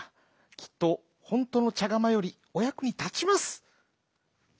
きっとほんとのちゃがまよりおやくにたちます」。